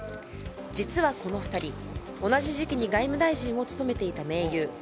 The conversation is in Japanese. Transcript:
実は、この２人同じ時期に外務大臣を務めていた盟友。